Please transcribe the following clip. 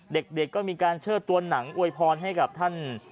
เด็กก็มีการเชิดตัวหนังอวยพรให้กับท่าน